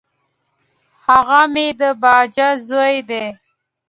هغه مي د باجه زوی دی .